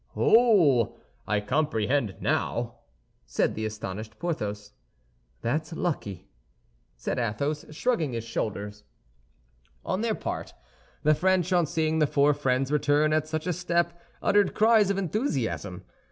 "Oh, I comprehend now," said the astonished Porthos. "That's lucky," said Athos, shrugging his shoulders. On their part, the French, on seeing the four friends return at such a step, uttered cries of enthusiasm.